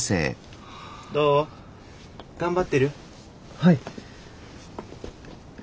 はい。